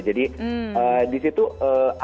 jadi di situ aku keluar hasilnya sebagai esfj ceritanya